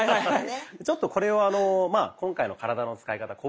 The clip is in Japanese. ちょっとこれを今回の体の使い方